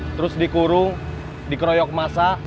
terus dikurung dikeroyok masa